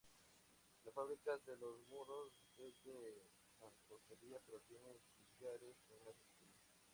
La fábrica de los muros es de mampostería, pero tiene sillares en las esquinas.